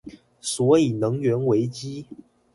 所以能源危機